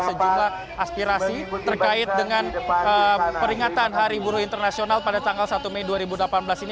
sejumlah aspirasi terkait dengan peringatan hari buruh internasional pada tanggal satu mei dua ribu delapan belas ini